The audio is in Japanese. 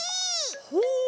ほう！